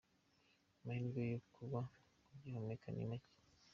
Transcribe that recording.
Amahirwe ko baba bagihumeka ni macye.